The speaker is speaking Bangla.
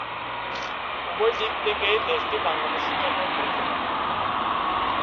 উভয় দিক থেকেই দেশটি বাংলাদেশের জন্য গুরুত্বপূর্ণ।